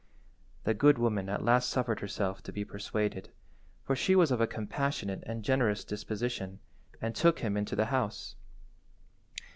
The good woman at last suffered herself to be persuaded, for she was of a compassionate and generous disposition, and took him into the house.